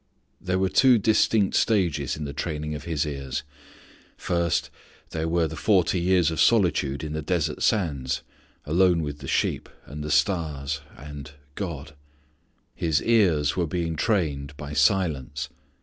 There were two distinct stages in the training of his ears. First there were the forty years of solitude in the desert sands, alone with the sheep, and the stars, and God. His ears were being trained by silence.